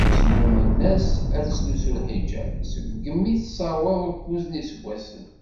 Snummen-as ad tettlusu lḥiǧab seg imi tessaweḍ ukuẓ n yiseggasen.